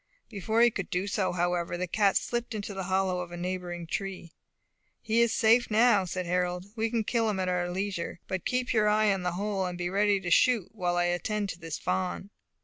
Before he could do so, however, the cat slipped into the hollow of a neighbouring tree. "He is safe now," said Harold; "we can kill him at our leisure. But keep your eye on the hole, and be ready to shoot, while I attend to this fawn."